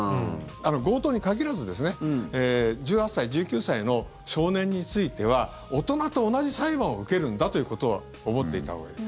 強盗に限らずですね１８歳、１９歳の少年については大人と同じ裁判を受けるんだということを思っておいたほうがいい。